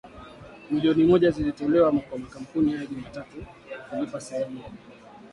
milioni moja zilitolewa kwa makampuni hayo Jumatatu kulipa sehemu ya deni hilo.